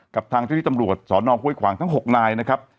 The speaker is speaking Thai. กับทางเจ้าที่ตำรวจสอนองห้วยขวางทั้ง๖นายนะครับ